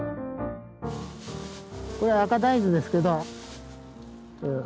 これは赤大豆ですけど。